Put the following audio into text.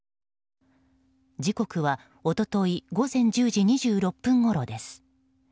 時刻は一昨日午前１０時２６分ごろです。